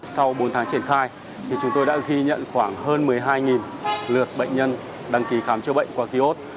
sau bốn tháng triển khai chúng tôi đã ghi nhận khoảng hơn một mươi hai lượt bệnh nhân đăng ký khám chữa bệnh qua ký ốt